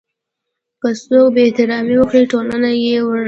که څوک بې احترامي وکړي ټولنه یې ورټي.